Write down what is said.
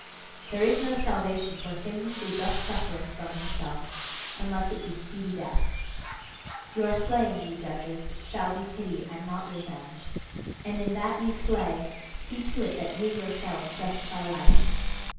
There is no salvation for him who thus suffereth from himself, unless it be speedy death. Your slaying, ye judges, shall be pity, and not revenge; and in that ye slay, see to it that ye yourselves justify life!